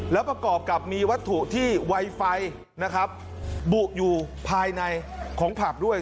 แล้วประกอบกับมีวัตถุที่ไวไฟนะครับบุอยู่ภายในของผับด้วย